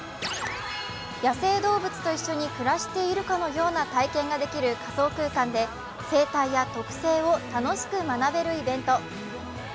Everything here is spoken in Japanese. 野生動物と一緒に暮らしているかのような体験ができる仮想空間で生態や特性を楽しく学べるイベント。